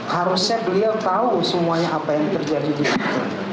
harusnya beliau tahu semuanya apa yang terjadi di situ